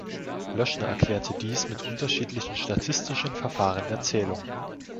Löschner erklärte dies mit unterschiedlichen statistischen Verfahren der Zählung.